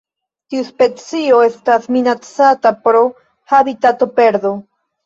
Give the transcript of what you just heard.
Tiu specio estas minacata pro habitatoperdo.